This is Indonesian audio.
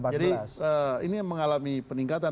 jadi ini mengalami peningkatan